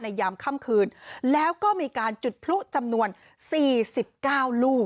ยามค่ำคืนแล้วก็มีการจุดพลุจำนวน๔๙ลูก